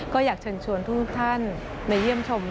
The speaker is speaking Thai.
ก็อยากเชิญชวนทุกท่านมาเยี่ยมชม